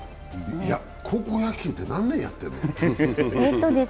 高校野球って何年やってるの？